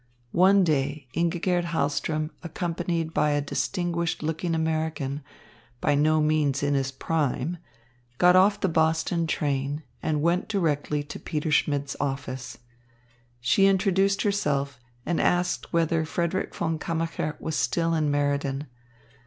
One day Ingigerd Hahlström accompanied by a distinguished looking American by no means in his prime got off the Boston train and went directly to Peter Schmidt's office. She introduced herself and asked whether Frederick von Kammacher was still in Meriden.